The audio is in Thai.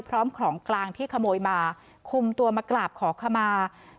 พร้อมของกลางที่ขโมยมาคุมตัวมากราบขอขมา